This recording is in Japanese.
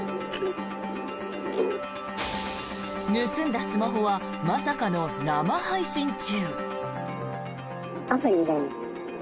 盗んだスマホはまさかの生配信中。